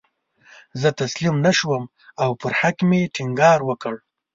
زه تسلیم نه شوم او پر حق مې ټینګار وکړ.